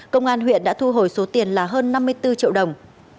công an huyện đã thu hồi số tiền là hơn năm mươi bốn triệu đồng